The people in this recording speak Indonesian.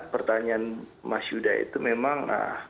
pertanyaan mas yuda itu memang